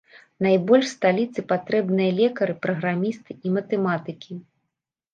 Найбольш сталіцы патрэбныя лекары, праграмісты і матэматыкі.